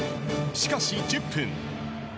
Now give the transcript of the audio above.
しかし、１０分。